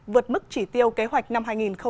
vượt mức chỉ tiêu kế hoạch năm hai nghìn một mươi chín